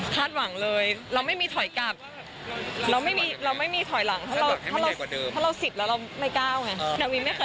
ถ้าเราสิบแล้วเราไม่ก้าวไง